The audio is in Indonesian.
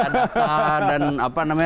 ada data dan apa namanya